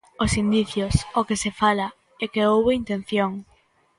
Os indicios, o que se fala, é que houbo intención.